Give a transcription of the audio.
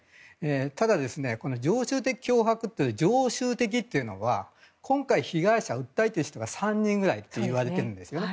ただ、常習的脅迫という常習的というのは今回、被害者、訴えている人が３人ぐらいといわれているんですよね。